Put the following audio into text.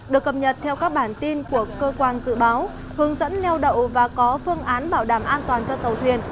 được cập nhật theo các bản tin của cơ quan dự báo hướng dẫn neo đậu và có phương án bảo đảm an toàn cho tàu thuyền